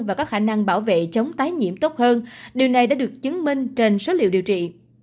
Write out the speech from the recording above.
và có khả năng bảo vệ chống tái nhiễm tốt hơn điều này đã được chứng minh trên số liệu điều trị